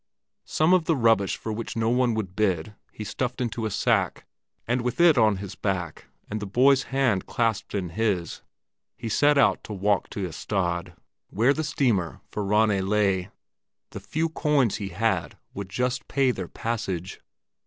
Some of the rubbish for which no one would bid he stuffed into a sack, and with it on his back and the boy's hand clasped in his, he set out to walk to Ystad, where the steamer for Rönne lay. The few coins he had would just pay their passage.